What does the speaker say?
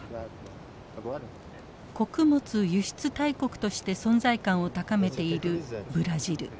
穀物輸出大国として存在感を高めているブラジル。